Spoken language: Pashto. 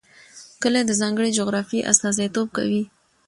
کلي د ځانګړې جغرافیې استازیتوب کوي.